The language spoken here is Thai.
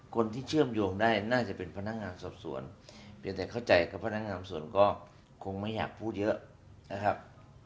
คนที่เชื่อมโยงได้น่าจะเป็นพนักงานสอบสวนเพียงแต่เข้าใจกับพนักงานส่วนก็คงไม่อยากพูดเยอะนะครับ